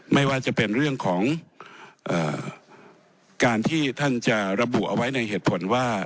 ไม่ว่าจะเป็นเรื่องของการที่ท่านจะระบุเอาไว้ในเหตุผลว่า